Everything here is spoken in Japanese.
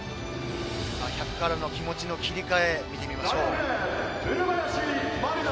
１００からの気持ちの切り替え、見てみましょう。